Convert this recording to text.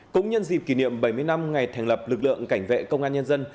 cũng nhân dịp kỷ niệm bảy mươi năm ngày thành lập lực lượng cảnh vệ công an nhân dân